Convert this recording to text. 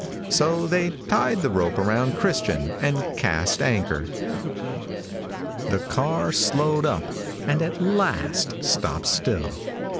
So they tied the rope around Christian and cast anchor. The car slowed up and at last stopped still.